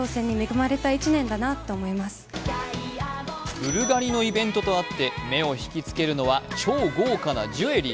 ブルガリのイベントとあって目を引きつけるのは超豪華なジュエリー。